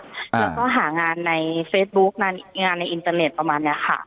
แล้วก็หางานในเฟซบุ๊กงานในอินเตอร์เน็ตประมาณนี้ค่ะ